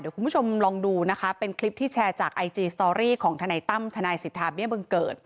คุณผู้ชมลองดูนะคะเป็นคลิปที่แชร์จากไอจีสตอรี่ของทนายตั้มทนายสิทธาเบี้ยบังเกิด